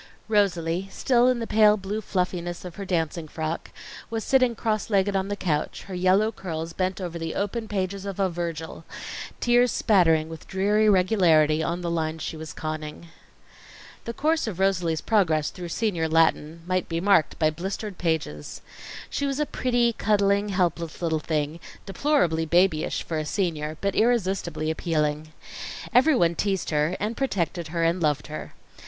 Rosalie, still in the pale blue fluffiness of her dancing frock, was sitting cross legged on the couch, her yellow curls bent over the open pages of a Virgil, tears spattering with dreary regularity on the lines she was conning. The course of Rosalie's progress through senior Latin might be marked by blistered pages. She was a pretty, cuddling, helpless little thing, deplorably babyish for a senior; but irresistibly appealing. Everyone teased her, and protected her, and loved her.